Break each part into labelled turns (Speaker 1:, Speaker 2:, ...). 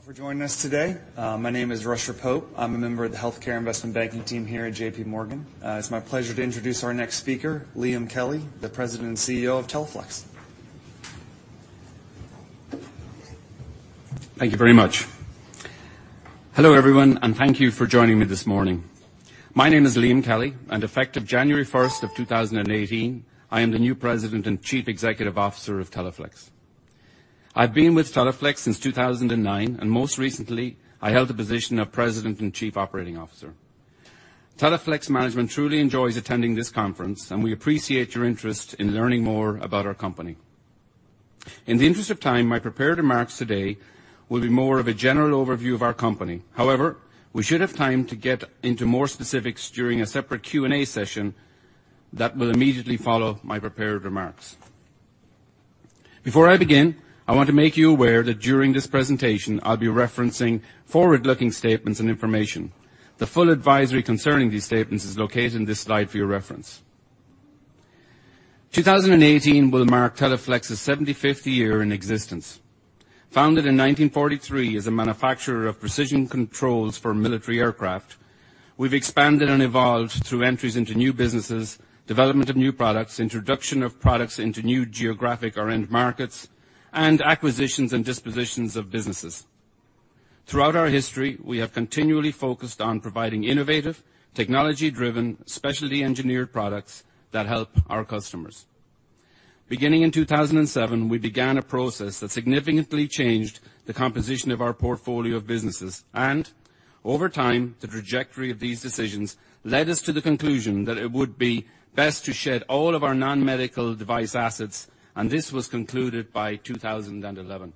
Speaker 1: Thank you all for joining us today. My name is Ruchir Pope. I am a member of the healthcare investment banking team here at J.P. Morgan. It is my pleasure to introduce our next speaker, Liam Kelly, the President and CEO of Teleflex.
Speaker 2: Thank you very much. Hello, everyone, and thank you for joining me this morning. My name is Liam Kelly, and effective January 1st of 2018, I am the new President and Chief Executive Officer of Teleflex. I've been with Teleflex since 2009, and most recently, I held the position of President and Chief Operating Officer. Teleflex management truly enjoys attending this conference, and we appreciate your interest in learning more about our company. In the interest of time, my prepared remarks today will be more of a general overview of our company. However, we should have time to get into more specifics during a separate Q&A session that will immediately follow my prepared remarks. Before I begin, I want to make you aware that during this presentation, I'll be referencing forward-looking statements and information. The full advisory concerning these statements is located in this slide for your reference. 2018 will mark Teleflex's 75th year in existence. Founded in 1943 as a manufacturer of precision controls for military aircraft, we've expanded and evolved through entries into new businesses, development of new products, introduction of products into new geographic or end markets, and acquisitions and dispositions of businesses. Throughout our history, we have continually focused on providing innovative, technology-driven, specialty engineered products that help our customers. Beginning in 2007, we began a process that significantly changed the composition of our portfolio of businesses. Over time, the trajectory of these decisions led us to the conclusion that it would be best to shed all of our non-medical device assets, and this was concluded by 2011.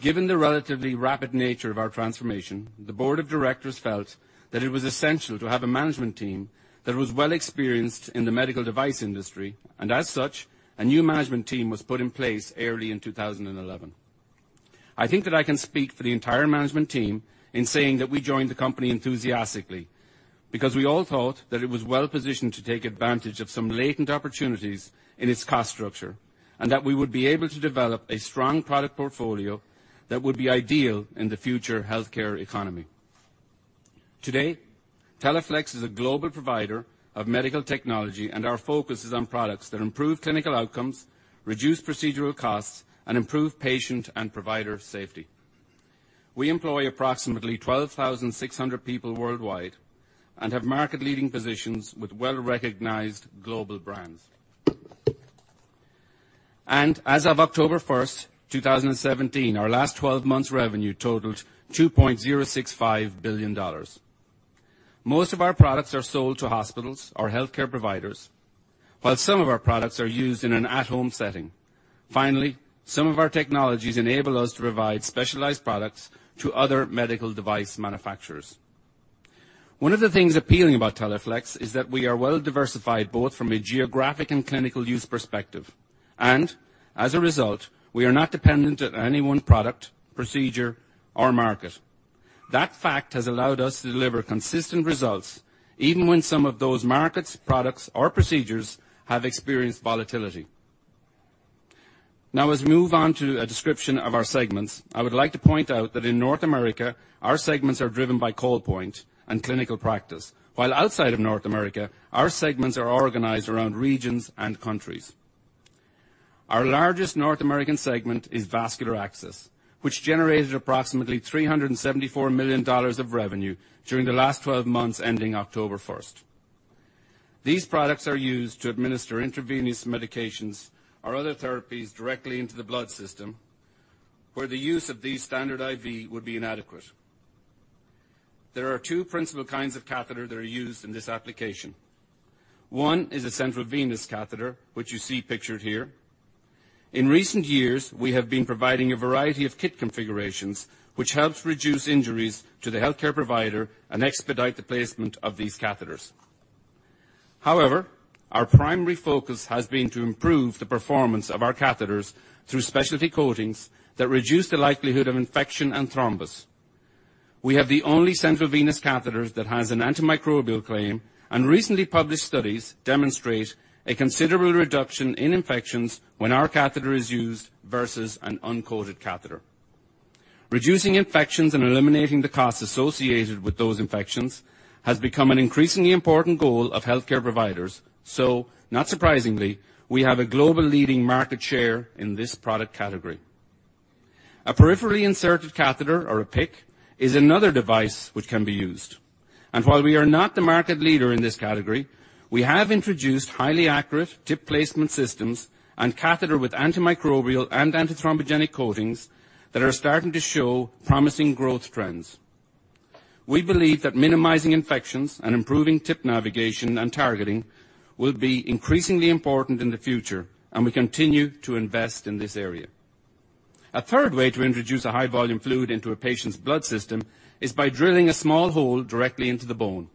Speaker 2: Given the relatively rapid nature of our transformation, the board of directors felt that it was essential to have a management team that was well experienced in the medical device industry, and as such, a new management team was put in place early in 2011. I think that I can speak for the entire management team in saying that we joined the company enthusiastically because we all thought that it was well-positioned to take advantage of some latent opportunities in its cost structure, and that we would be able to develop a strong product portfolio that would be ideal in the future healthcare economy. Today, Teleflex is a global provider of medical technology, and our focus is on products that improve clinical outcomes, reduce procedural costs, and improve patient and provider safety. We employ approximately 12,600 people worldwide and have market-leading positions with well-recognized global brands. As of October 1st, 2017, our last 12 months revenue totaled $2.065 billion. Most of our products are sold to hospitals or healthcare providers, while some of our products are used in an at-home setting. Finally, some of our technologies enable us to provide specialized products to other medical device manufacturers. One of the things appealing about Teleflex is that we are well diversified, both from a geographic and clinical use perspective. As a result, we are not dependent on any one product, procedure, or market. That fact has allowed us to deliver consistent results even when some of those markets, products, or procedures have experienced volatility. Now, as we move on to a description of our segments, I would like to point out that in North America, our segments are driven by call point and clinical practice. While outside of North America, our segments are organized around regions and countries. Our largest North American segment is Vascular Access, which generated approximately $374 million of revenue during the last 12 months ending October 1st. These products are used to administer intravenous medications or other therapies directly into the blood system where the use of these standard IV would be inadequate. There are two principal kinds of catheter that are used in this application. One is a central venous catheter, which you see pictured here. In recent years, we have been providing a variety of kit configurations, which helps reduce injuries to the healthcare provider and expedite the placement of these catheters. However, our primary focus has been to improve the performance of our catheters through specialty coatings that reduce the likelihood of infection and thrombus. We have the only central venous catheter that has an antimicrobial claim, and recently published studies demonstrate a considerable reduction in infections when our catheter is used versus an uncoated catheter. Reducing infections and eliminating the cost associated with those infections has become an increasingly important goal of healthcare providers. Not surprisingly, we have a global leading market share in this product category. A peripherally inserted catheter or a PICC is another device which can be used. While we are not the market leader in this category, we have introduced highly accurate tip placement systems and catheter with antimicrobial and antithrombogenic coatings that are starting to show promising growth trends. We believe that minimizing infections and improving tip navigation and targeting will be increasingly important in the future, and we continue to invest in this area. A third way to introduce a high volume fluid into a patient's blood system is by drilling a small hole directly into the bone.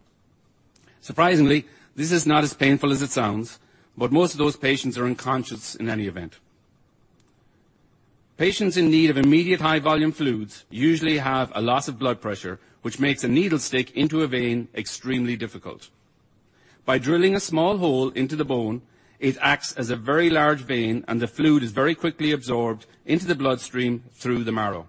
Speaker 2: Surprisingly, this is not as painful as it sounds, but most of those patients are unconscious in any event. Patients in need of immediate high-volume fluids usually have a loss of blood pressure, which makes a needle stick into a vein extremely difficult. By drilling a small hole into the bone, it acts as a very large vein, and the fluid is very quickly absorbed into the bloodstream through the marrow.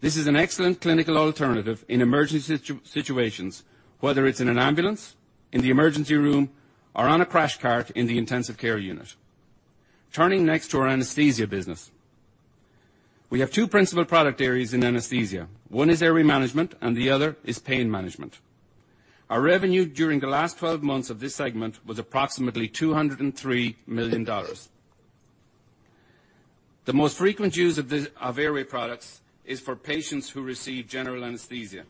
Speaker 2: This is an excellent clinical alternative in emergency situations, whether it's in an ambulance, in the emergency room, or on a crash cart in the intensive care unit. Turning next to our anesthesia business. We have two principal product areas in anesthesia. One is airway management and the other is pain management. Our revenue during the last 12 months of this segment was approximately $203 million. The most frequent use of airway products is for patients who receive general anesthesia.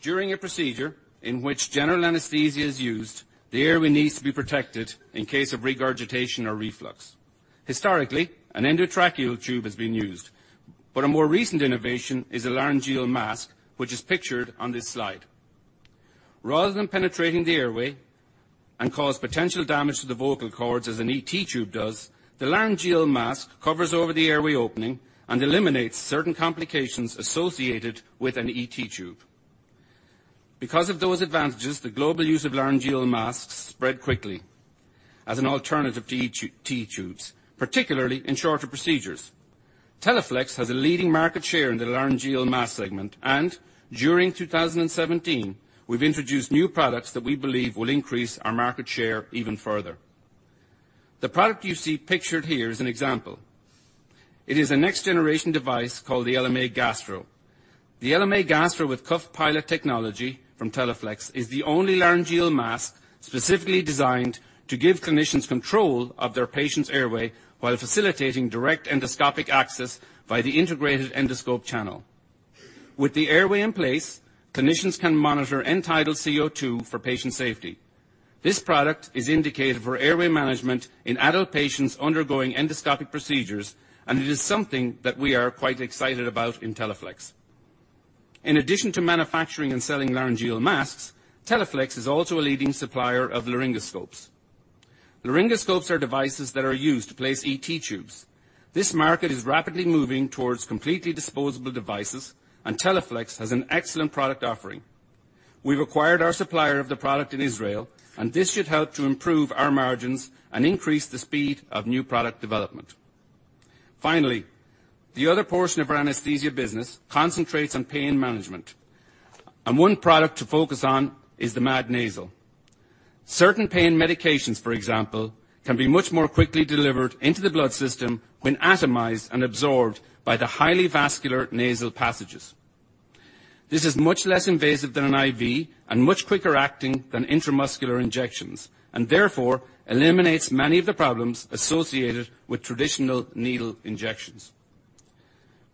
Speaker 2: During a procedure in which general anesthesia is used, the airway needs to be protected in case of regurgitation or reflux. Historically, an endotracheal tube has been used, but a more recent innovation is a laryngeal mask, which is pictured on this slide. Rather than penetrating the airway and cause potential damage to the vocal cords as an ET tube does, the laryngeal mask covers over the airway opening and eliminates certain complications associated with an ET tube. Because of those advantages, the global use of laryngeal masks spread quickly as an alternative to ET tubes, particularly in shorter procedures. Teleflex has a leading market share in the laryngeal mask segment. During 2017, we've introduced new products that we believe will increase our market share even further. The product you see pictured here is an example. It is a next generation device called the LMA Gastro. The LMA Gastro with Cuff Pilot technology from Teleflex is the only laryngeal mask specifically designed to give clinicians control of their patient's airway while facilitating direct endoscopic access by the integrated endoscope channel. With the airway in place, clinicians can monitor end-tidal CO2 for patient safety. This product is indicated for airway management in adult patients undergoing endoscopic procedures. It is something that we are quite excited about in Teleflex. In addition to manufacturing and selling laryngeal masks, Teleflex is also a leading supplier of laryngoscopes. Laryngoscopes are devices that are used to place ET tubes. This market is rapidly moving towards completely disposable devices. Teleflex has an excellent product offering. We've acquired our supplier of the product in Israel. This should help to improve our margins and increase the speed of new product development. Finally, the other portion of our anesthesia business concentrates on pain management. One product to focus on is the MAD Nasal. Certain pain medications, for example, can be much more quickly delivered into the blood system when atomized and absorbed by the highly vascular nasal passages. This is much less invasive than an IV and much quicker acting than intramuscular injections. Therefore eliminates many of the problems associated with traditional needle injections.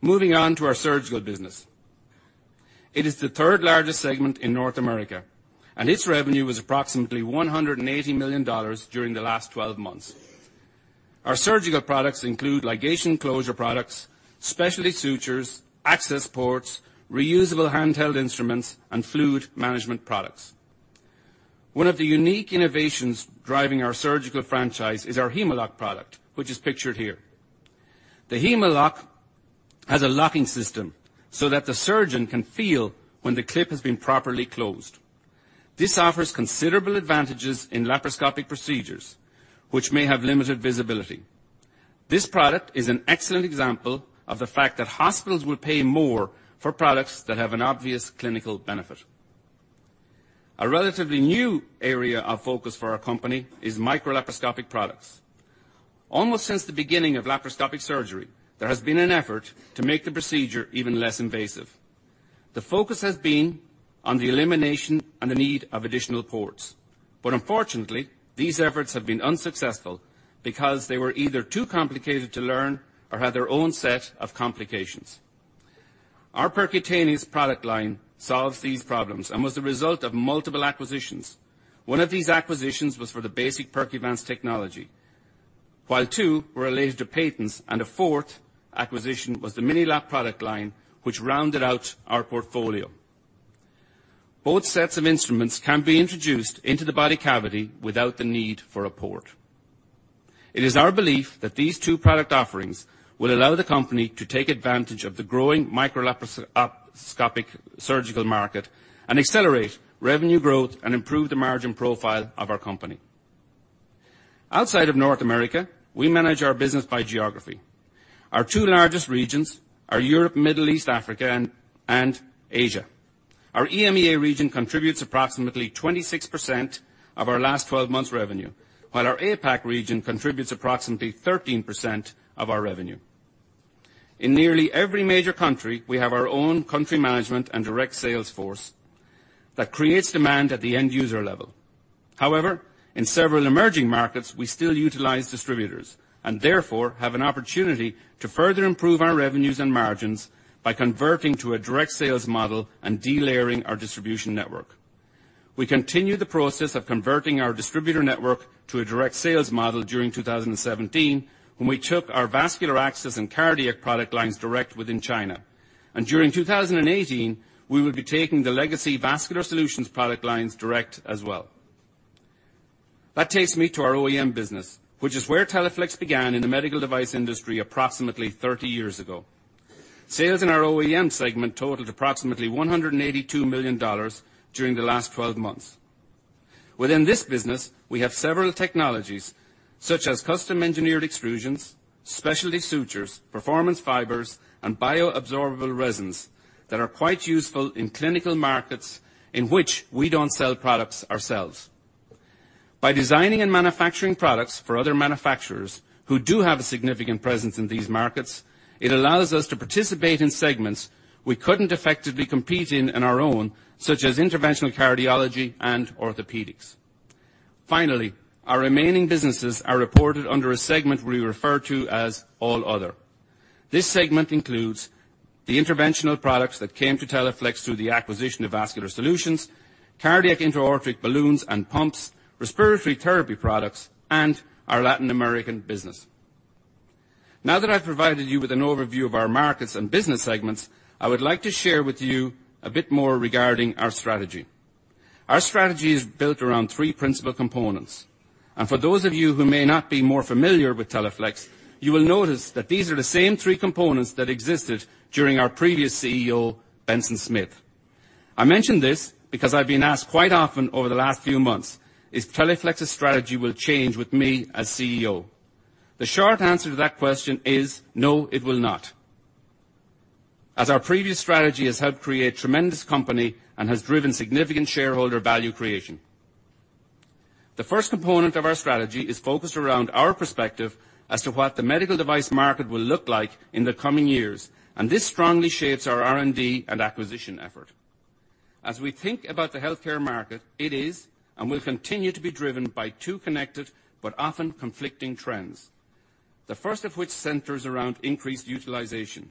Speaker 2: Moving on to our surgical business. It is the third-largest segment in North America. Its revenue was approximately $180 million during the last 12 months. Our surgical products include ligation closure products, specialty sutures, access ports, reusable handheld instruments, and fluid management products. One of the unique innovations driving our surgical franchise is our Hem-o-lok product, which is pictured here. The Hem-o-lok has a locking system so that the surgeon can feel when the clip has been properly closed. This offers considerable advantages in laparoscopic procedures, which may have limited visibility. This product is an excellent example of the fact that hospitals will pay more for products that have an obvious clinical benefit. A relatively new area of focus for our company is microlaparoscopic products. Almost since the beginning of laparoscopic surgery, there has been an effort to make the procedure even less invasive. The focus has been on the elimination and the need of additional ports. Unfortunately, these efforts have been unsuccessful because they were either too complicated to learn or had their own set of complications. Our percutaneous product line solves these problems and was the result of multiple acquisitions. One of these acquisitions was for the basic Percuvance technology, while two were related to patents, and a fourth acquisition was the MiniLap product line, which rounded out our portfolio. Both sets of instruments can be introduced into the body cavity without the need for a port. It is our belief that these two product offerings will allow the company to take advantage of the growing microlaparoscopic surgical market and accelerate revenue growth and improve the margin profile of our company. Outside of North America, we manage our business by geography. Our two largest regions are Europe, Middle East, Africa, and Asia. Our EMEA region contributes approximately 26% of our last 12 months revenue, while our APAC region contributes approximately 13% of our revenue. In nearly every major country, we have our own country management and direct sales force that creates demand at the end user level. However, in several emerging markets, we still utilize distributors and therefore have an opportunity to further improve our revenues and margins by converting to a direct sales model and delayering our distribution network. We continue the process of converting our distributor network to a direct sales model during 2017, when we took our vascular access and cardiac product lines direct within China. During 2018, we will be taking the legacy Vascular Solutions product lines direct as well. That takes me to our OEM business, which is where Teleflex began in the medical device industry approximately 30 years ago. Sales in our OEM segment totaled approximately $182 million during the last 12 months. Within this business, we have several technologies such as custom engineered extrusions, specialty sutures, performance fibers, and bioabsorbable resins that are quite useful in clinical markets in which we don't sell products ourselves. By designing and manufacturing products for other manufacturers who do have a significant presence in these markets, it allows us to participate in segments we couldn't effectively compete in on our own, such as interventional cardiology and orthopedics. Finally, our remaining businesses are reported under a segment we refer to as All Other. This segment includes the interventional products that came to Teleflex through the acquisition of Vascular Solutions, cardiac intra-aortic balloons and pumps, respiratory therapy products, and our Latin American business. Now that I've provided you with an overview of our markets and business segments, I would like to share with you a bit more regarding our strategy. Our strategy is built around three principal components, and for those of you who may not be more familiar with Teleflex, you will notice that these are the same three components that existed during our previous CEO, Benson Smith. I mention this because I've been asked quite often over the last few months if Teleflex's strategy will change with me as CEO. The short answer to that question is no, it will not. As our previous strategy has helped create tremendous company and has driven significant shareholder value creation. The first component of our strategy is focused around our perspective as to what the medical device market will look like in the coming years, and this strongly shapes our R&D and acquisition effort. As we think about the healthcare market, it is and will continue to be driven by two connected, but often conflicting trends. The first of which centers around increased utilization.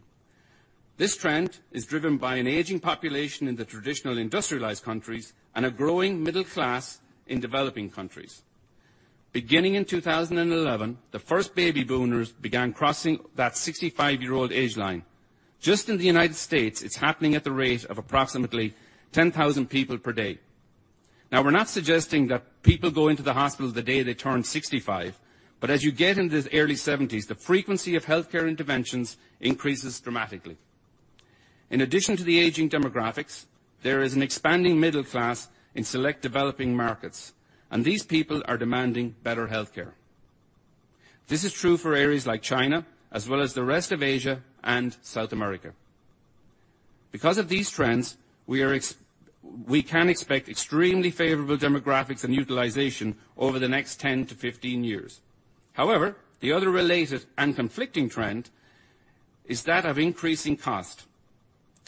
Speaker 2: This trend is driven by an aging population in the traditional industrialized countries, and a growing middle class in developing countries. Beginning in 2011, the first baby boomers began crossing that 65-year-old age line. Just in the U.S., it's happening at the rate of approximately 10,000 people per day. We're not suggesting that people go into the hospital the day they turn 65, but as you get into the early 70s, the frequency of healthcare interventions increases dramatically. In addition to the aging demographics, there is an expanding middle class in select developing markets, and these people are demanding better healthcare. This is true for areas like China as well as the rest of Asia and South America. Because of these trends, we can expect extremely favorable demographics and utilization over the next 10 to 15 years. However, the other related and conflicting trend is that of increasing cost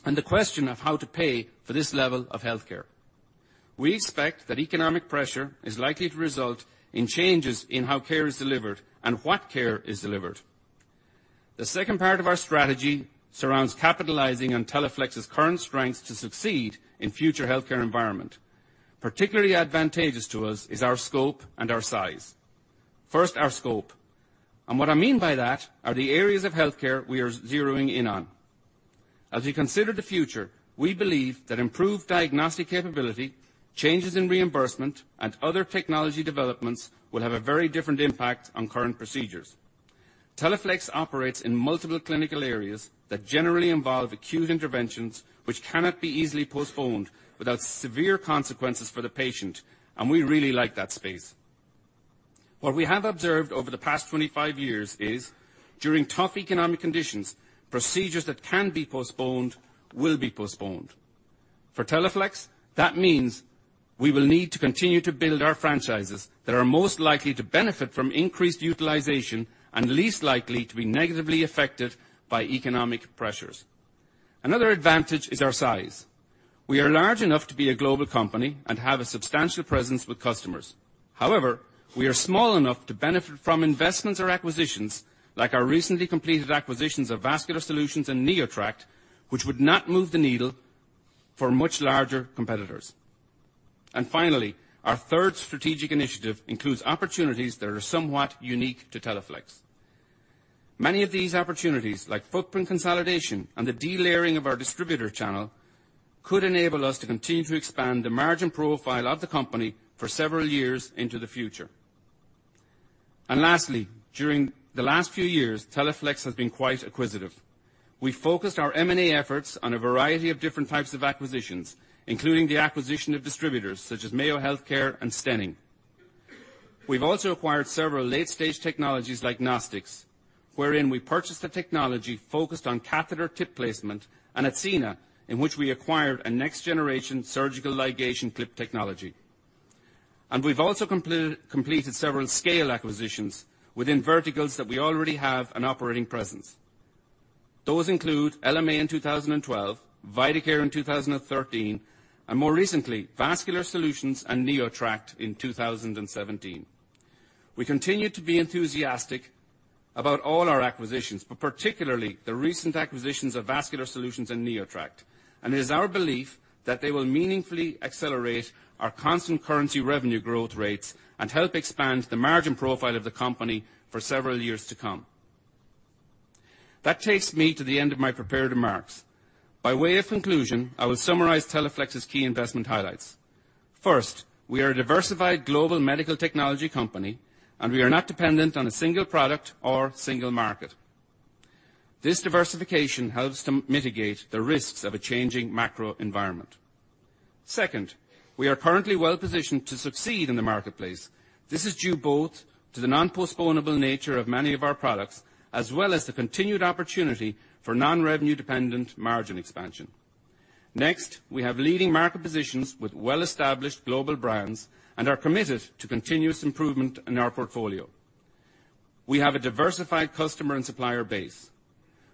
Speaker 2: and the question of how to pay for this level of healthcare. We expect that economic pressure is likely to result in changes in how care is delivered and what care is delivered. The second part of our strategy surrounds capitalizing on Teleflex's current strengths to succeed in future healthcare environment. Particularly advantageous to us is our scope and our size. First, our scope. What I mean by that are the areas of healthcare we are zeroing in on. As we consider the future, we believe that improved diagnostic capability, changes in reimbursement, and other technology developments will have a very different impact on current procedures. Teleflex operates in multiple clinical areas that generally involve acute interventions, which cannot be easily postponed without severe consequences for the patient, and we really like that space. What we have observed over the past 25 years is during tough economic conditions, procedures that can be postponed will be postponed. For Teleflex, that means we will need to continue to build our franchises that are most likely to benefit from increased utilization and least likely to be negatively affected by economic pressures. Another advantage is our size. We are large enough to be a global company and have a substantial presence with customers. However, we are small enough to benefit from investments or acquisitions like our recently completed acquisitions of Vascular Solutions and NeoTract, which would not move the needle for much larger competitors. Finally, our third strategic initiative includes opportunities that are somewhat unique to Teleflex. Many of these opportunities, like footprint consolidation and the delayering of our distributor channel, could enable us to continue to expand the margin profile of the company for several years into the future. Lastly, during the last few years, Teleflex has been quite acquisitive. We focused our M&A efforts on a variety of different types of acquisitions, including the acquisition of distributors such as Mayo Healthcare and Stenning. We've also acquired several late-stage technologies like Nostix, wherein we purchased the technology focused on catheter tip placement and Athena, in which we acquired a next-generation surgical ligation clip technology. We've also completed several scale acquisitions within verticals that we already have an operating presence. Those include LMA in 2012, Vidacare in 2013, and more recently, Vascular Solutions and NeoTract in 2017. We continue to be enthusiastic about all our acquisitions, particularly the recent acquisitions of Vascular Solutions and NeoTract. It is our belief that they will meaningfully accelerate our constant currency revenue growth rates and help expand the margin profile of the company for several years to come. That takes me to the end of my prepared remarks. By way of conclusion, I will summarize Teleflex's key investment highlights. First, we are a diversified global medical technology company. We are not dependent on a single product or single market. This diversification helps to mitigate the risks of a changing macro environment. Second, we are currently well-positioned to succeed in the marketplace. This is due both to the non-postponable nature of many of our products, as well as the continued opportunity for non-revenue dependent margin expansion. Next, we have leading market positions with well-established global brands and are committed to continuous improvement in our portfolio. We have a diversified customer and supplier base.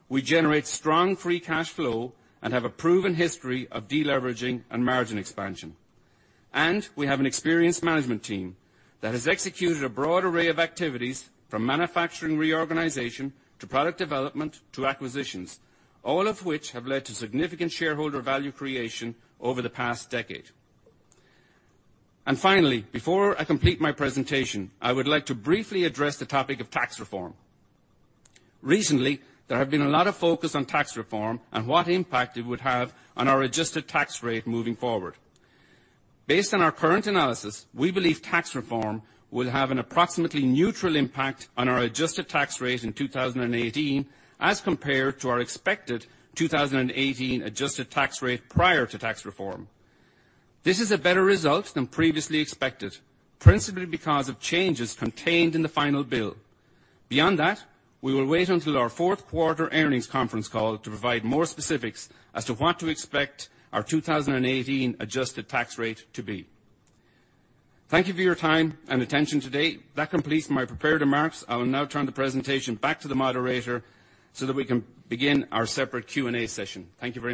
Speaker 2: We generate strong free cash flow and have a proven history of deleveraging and margin expansion. We have an experienced management team that has executed a broad array of activities, from manufacturing reorganization to product development to acquisitions, all of which have led to significant shareholder value creation over the past decade. Finally, before I complete my presentation, I would like to briefly address the topic of tax reform. Recently, there have been a lot of focus on tax reform and what impact it would have on our adjusted tax rate moving forward. Based on our current analysis, we believe tax reform will have an approximately neutral impact on our adjusted tax rate in 2018 as compared to our expected 2018 adjusted tax rate prior to tax reform. This is a better result than previously expected, principally because of changes contained in the final bill. Beyond that, we will wait until our fourth quarter earnings conference call to provide more specifics as to what to expect our 2018 adjusted tax rate to be. Thank you for your time and attention today. That completes my prepared remarks. I will now turn the presentation back to the moderator so that we can begin our separate Q&A session. Thank you very much